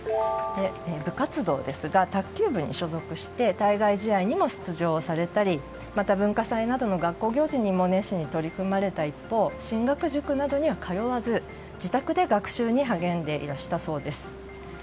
部活動ですが卓球部に所属して対外試合にも出場されたりまた文化祭などの学校行事にも熱心に取り組まれた一方進学塾などには通わず自宅で学習に励んでいらしたそうです。